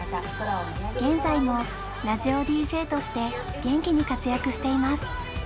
現在もラジオＤＪとして元気に活躍しています。